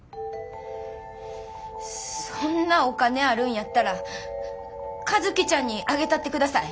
そんなお金あるんやったら和希ちゃんにあげたってください。